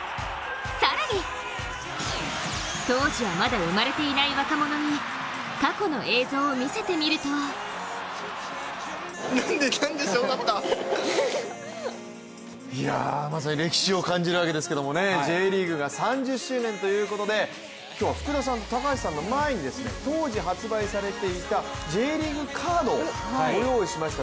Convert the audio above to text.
更に、当時はまだ生まれていない若者に過去の映像を見せてみるとまさに歴史を感じるわけですけれどもＪリーグが３０周年ということで今日は福田さんと高橋さんの前に当時発売されていたＪリーグカードをご用意しました。